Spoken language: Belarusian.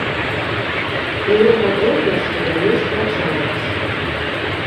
Было падобна, што яны спрачаюцца.